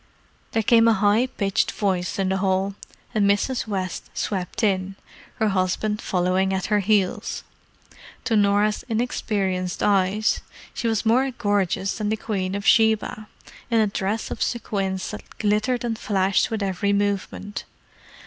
There came a high pitched voice in the hall, and Mrs. West swept in, her husband following at her heels. To Norah's inexperienced eyes, she was more gorgeous than the Queen of Sheba, in a dress of sequins that glittered and flashed with every movement.